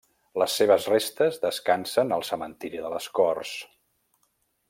Les seves restes descansen el cementiri de les Corts.